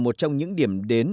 trong khoảng hai mươi năm năm rồi